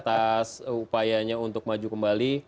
atas upayanya untuk maju kembali